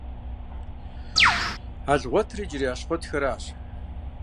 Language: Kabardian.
Алгъуэтыр иджырей Ащхъуэтхэращ.